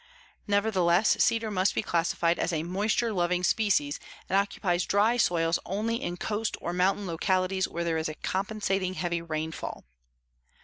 Nevertheless, cedar must be classified as a moisture loving species and occupies dry soils only in coast or mountain localities where there is a compensating heavy rainfall.